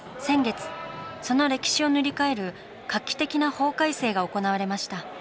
先月その歴史を塗り替える画期的な法改正が行われました。